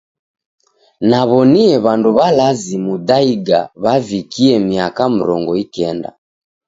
Naw'onie w'andu w'alazi Muthaiga w'avikie miaka mrongo ikenda.